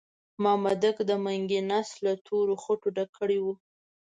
مامدک د منګي نس له تورو خټو ډک کړی وو.